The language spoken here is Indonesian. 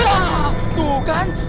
nah tuh kan